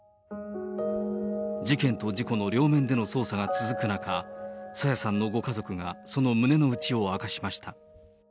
事件と事故の両面での捜査が続く中、朝芽さんのご家族が、その胸の内を明かしました。